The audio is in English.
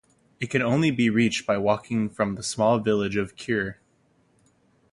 It can only be reached by walking from the small village of Cure.